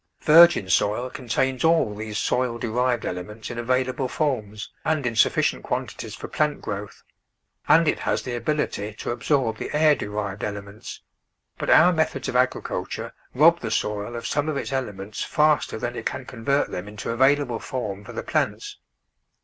Virgin soil contains all these soil derived ele ments in available forms and in sufficient quanti ties for plant growth, and it has the ability to absorb the air derived elements, but our methods of agriculture rob the soil of some of its elements faster than it can convert them into available form for the plants.